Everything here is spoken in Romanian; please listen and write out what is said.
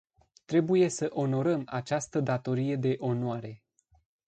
Trebuie să onorăm această datorie de onoare.